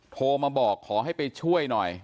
โทรมาบอกขอให้ไปช่วยหน่อย